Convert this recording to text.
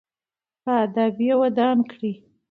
په ادب یې ودان کړئ.